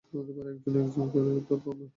একজন একজন করে ধরব আমরা।